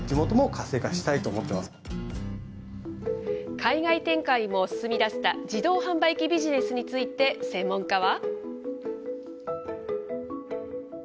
海外展開も進みだした自動販売機ビジネスについて、専門家は。